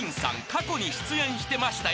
過去に出演してましたよ］